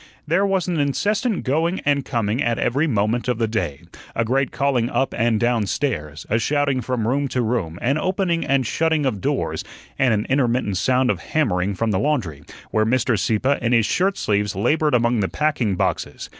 There was an incessant going and coming at every moment of the day, a great calling up and down stairs, a shouting from room to room, an opening and shutting of doors, and an intermittent sound of hammering from the laundry, where Mr. Sieppe in his shirt sleeves labored among the packing boxes.